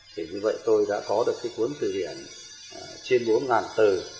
thì như vậy tôi đã có được cái cuốn từ điển trên bốn từ